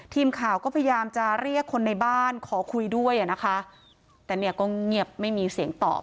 ทีมข่าวก็พยายามจะเรียกคนในบ้านขอคุยด้วยอ่ะนะคะแต่เนี่ยก็เงียบไม่มีเสียงตอบ